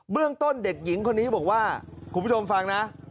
เรื่องต้นเด็กหญิงคนนี้บอกว่าคุณผู้ชมฟังนะ